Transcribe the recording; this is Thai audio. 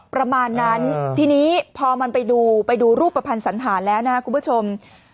ประมาณนั้นทีนี้พอมันไปดูไปดูรูปภัณฑ์สันธารแล้วนะครับคุณผู้ชม